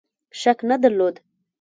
شک نه درلود.